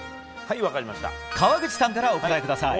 川口さんからお答えください。